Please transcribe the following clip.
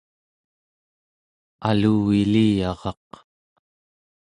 aluviliyaraq